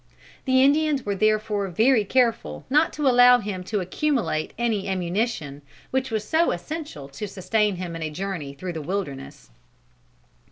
The Indians were therefore very careful not to allow him to accumulate any ammunition, which was so essential to sustain him in a journey through the wilderness.